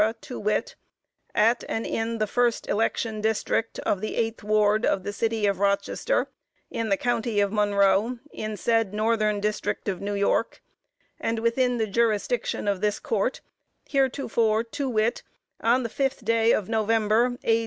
to wit, at and in the first election District of the eighth ward of the City of Rochester, in the County of Monroe, in said Northern District of New York, and within the jurisdiction of this Court heretofore, to wit, on the fifth day of November, A.